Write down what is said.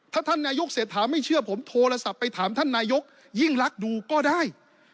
ถ้าท่านนายกภูมิธรรมเสร็จถามไม่เชื่อผมโทรศัพท์ไปถามท่านนายกภูมิธรรมยิ่งรักดูก็ได้